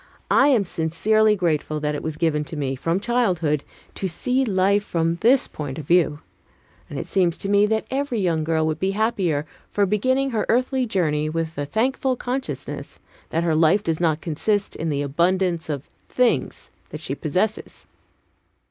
I am sincerely grateful that it was given to me, from childhood, to see life from this point of view. And it seems to me that every young girl would be happier for beginning her earthly journey with the thankful consciousness that her life does not consist in the abundance of things that she possesses.